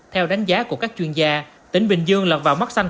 theo đánh giá của các chuyên gia tỉnh bình dương lọt vào mắt xanh